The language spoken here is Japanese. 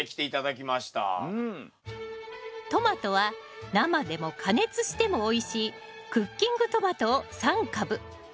トマトは生でも加熱してもおいしいクッキングトマトを３株。